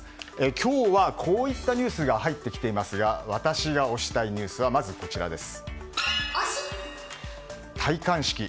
今日はこういったニュースが入ってきていますが私が推したいニュースはまず、こちらです。